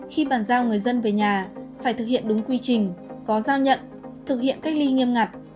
khi bàn giao người dân về nhà phải thực hiện đúng quy trình có giao nhận thực hiện cách ly nghiêm ngặt